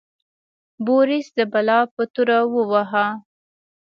بوریس د بلا په توره وواهه.